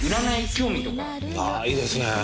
ないですね。